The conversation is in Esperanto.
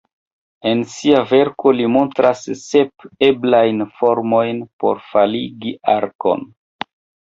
En sia verko li montras sep eblajn formojn por faligi arkon.